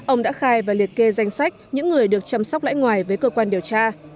ông đã khai và liệt kê danh sách những người được chăm sóc lãi ngoài với cơ quan điều tra